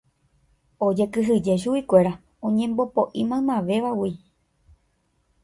Ojekyhyje chuguikuéra oñembopoʼi maymavévagui.